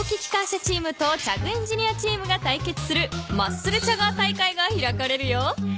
車チームとチャグ・エンジニアチームが対決するマッスル・チャガー大会が開かれるよ。